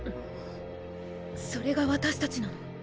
それが私達なの？